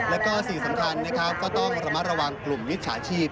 แล้วก็สิ่งสำคัญนะครับก็ต้องระมัดระวังกลุ่มมิจฉาชีพ